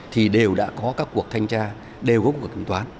thì đều đã có các cuộc thanh tra đều gốc của kiểm toán